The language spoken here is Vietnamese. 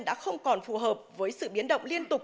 đã không còn phù hợp với sự biến động liên tục